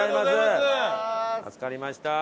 助かりました。